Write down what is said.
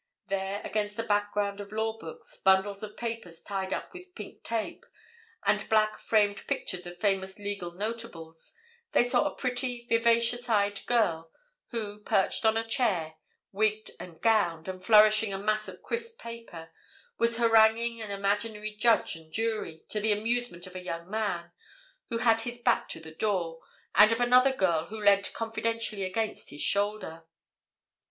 There, against a background of law books, bundles of papers tied up with pink tape, and black framed pictures of famous legal notabilities, they saw a pretty, vivacious eyed girl, who, perched on a chair, wigged and gowned, and flourishing a mass of crisp paper, was haranguing an imaginary judge and jury, to the amusement of a young man who had his back to the door, and of another girl who leant confidentially against his shoulder.